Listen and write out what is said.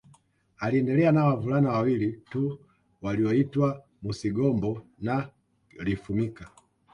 Aliendelea na wavulana wawili tu walioitwa Musigombo na Lifumika